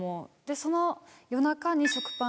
でその夜中に。